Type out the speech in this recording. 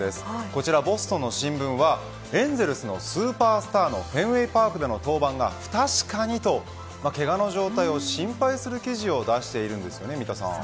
こちら、ボストンの新聞はエンゼルスのスーパースターのフェンウェイパークでの登板は不確かにとけがの状態を心配する記事を出しているんです。